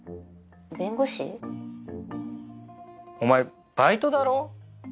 弁護士？お前バイトだろ？